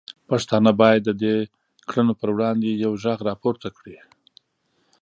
پښتانه باید د دې کړنو پر وړاندې یو غږ راپورته کړي.